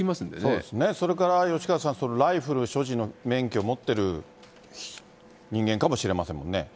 そうですね、吉川さん、ライフル所持の免許持ってる人間かもしれませんもんね。